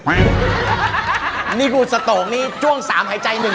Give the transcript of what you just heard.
อันนี้คุณสโตกนี่จ้วงสามหายใจหนึ่ง